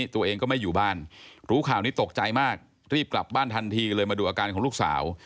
ตัวเองก็ไม่อยู่บ้านรู้ข่าวนี้ตกใจมากรีบกลับบ้านทันทีเลยมาดูอาการของลูกสาว